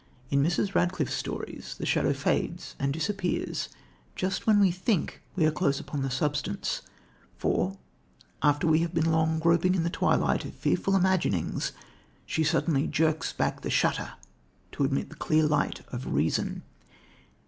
In Mrs. Radcliffe's stories, the shadow fades and disappears just when we think we are close upon the substance; for, after we have long been groping in the twilight of fearful imaginings, she suddenly jerks back the shutter to admit the clear light of reason.